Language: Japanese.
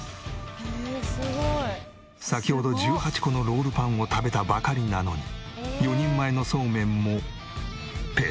「すごい」先ほど１８個のロールパンを食べたばかりなのに４人前のそうめんもペロリ。